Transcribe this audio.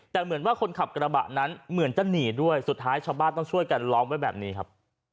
แต่เหมือนว่าคนขับกระบะนั้นเหมือนจะหนีด้วยสุดท้ายชาวบ้านต้องช่วยกันล้อมไว้แบบนี้ครับ